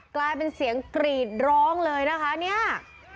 กลายเป็นเสียงกรีดร้องเลยนะคะเนี่ย